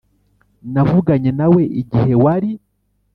Navuganye nawe igihe wari